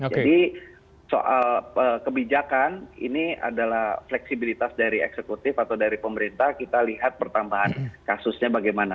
jadi soal kebijakan ini adalah fleksibilitas dari eksekutif atau dari pemerintah kita lihat pertambahan kasusnya bagaimana